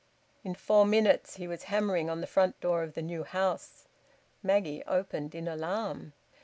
In four minutes he was hammering on the front door of the new house. Maggie opened, in alarm.